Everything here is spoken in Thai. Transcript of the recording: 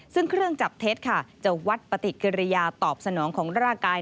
ซึ่งเครื่องจับเท็จค่ะจะวัดปฏิกิริยาตอบสนองของร่างกาย